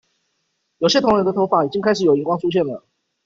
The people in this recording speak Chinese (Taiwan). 有些同仁的頭髮已經開始有銀光出現了